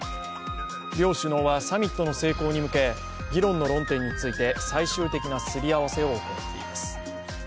両首脳はサミットの成功に向け、議論の論点について、最終的なすり合わせを行っていてます。